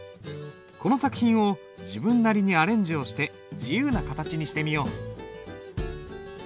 この作品を自分なりにアレンジをして自由な形にしてみよう。